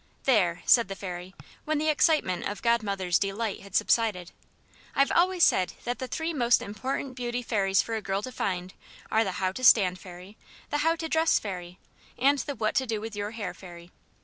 "There!" said the fairy, when the excitement of Godmother's delight had subsided, "I've always said that the three most important beauty fairies for a girl to find are the how to stand fairy, the how to dress fairy, and the what to do with your hair fairy.